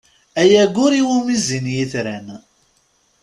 Ay aggur iwumi zzin yetran!